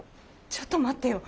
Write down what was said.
ちょっと待ってよ。